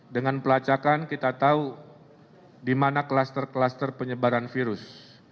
dengan pelacakan kita tahu di mana kluster kluster penyebaran virus